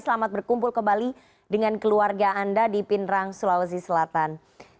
selamat berkumpul kembali dengan keluarga anda di pindrang sulawesi selatan